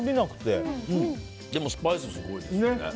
でもスパイス、すごいですね。